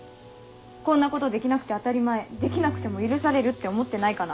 こんなことできなくて当たり前できなくても許されるって思ってないかな？